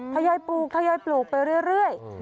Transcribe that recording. พระยายปลูกพระยายปลูกไปเรื่อย